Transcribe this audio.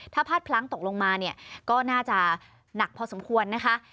ถ้าพลาดพลั้งตกลงมาเนี่ยก็น่าจะหนักพอสมควรนะคะ